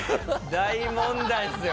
大問題ですよ。